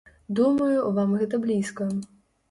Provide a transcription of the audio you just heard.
Думаю, вам гэта блізка.